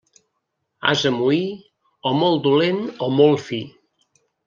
Ase moí, o molt dolent o molt fi.